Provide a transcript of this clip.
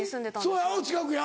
そうや近くや。